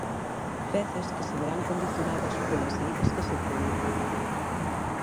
Pezas que se verán condicionadas polas saídas que se produzan.